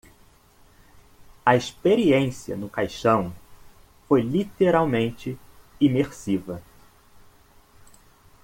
A experiência no caixão foi literalmente imersiva.